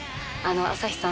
朝日さん